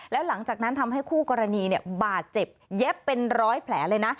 แล้วหลังจากนั้นทำให้คู่กรณีบาดเจ็บเย็บเป็นร้อยแผลเลยนะ